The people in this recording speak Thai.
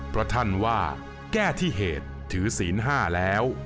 เพราะท่านว่าแก้ที่เหตุถือศีล๕แล้ว